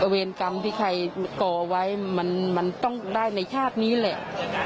เวรกรรมที่ใครก่อไว้มันต้องได้ในชาตินี้แหละ